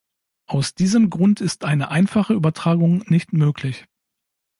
Aus diesem Grund ist eine einfache Übertragung nicht möglich.